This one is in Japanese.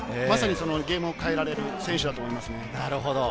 まさにゲームを変えられる選手だと思います。